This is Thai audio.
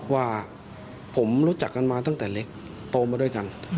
ว่าผมรู้จักกันมาตั้งแต่เล็กโตมาด้วยกัน